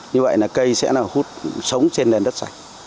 như vậy là cây sẽ là hút sống trên nền đất sạch